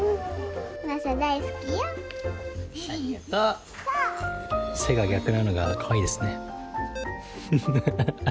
「せ」が逆なのがかわいいですね。